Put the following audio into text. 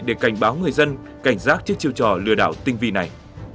để cảnh báo người dân cảnh giác trước chiêu trò lừa đảo tinh vi này